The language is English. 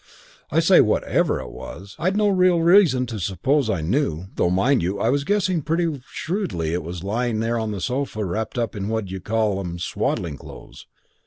I say Whatever it was. I'd no real reason to suppose I knew; though mind you, I was guessing pretty shrewdly it was lying there on the sofa wrapped up in what d'you call 'ems swaddling clothes.